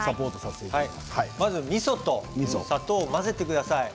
まず、みそと砂糖を混ぜてください。